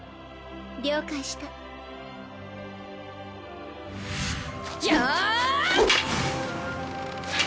了解したやあっ！